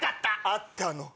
あったの。